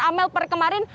amel per kemarin